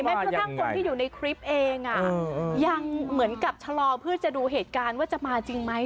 กระทั่งคนที่อยู่ในคลิปเองยังเหมือนกับชะลอเพื่อจะดูเหตุการณ์ว่าจะมาจริงไหม